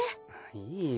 いいよ